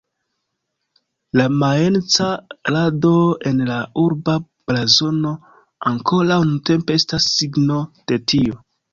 La majenca rado en la urba blazono ankoraŭ nuntempe estas signo de tio.